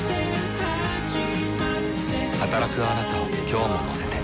「働くあなたを今日も乗せて」